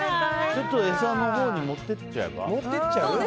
ちょっと餌のほうに持って行っちゃえば？